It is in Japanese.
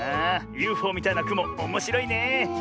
ＵＦＯみたいなくもおもしろいね。